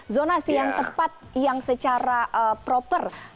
zonasi yang tepat yang secara proper harus diperlukan